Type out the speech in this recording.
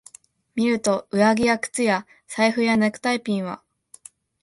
見ると、上着や靴や財布やネクタイピンは、